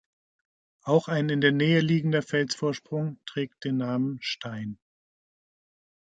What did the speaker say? Auch ein in der Nähe liegender Felsvorsprung trägt den Namen „Stein“.